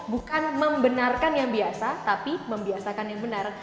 bukan membenarkan yang biasa tapi membiasakan yang benar